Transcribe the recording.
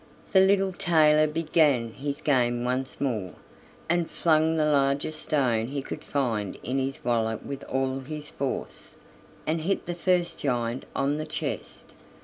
The little tailor began his game once more, and flung the largest stone he could find in his wallet with all his force, and hit the first giant on the chest.